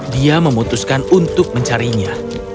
dia memutuskan untuk mencarinya